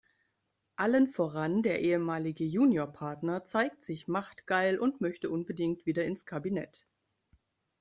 Allen voran der ehemalige Juniorpartner zeigt sich machtgeil und möchte unbedingt wieder ins Kabinett.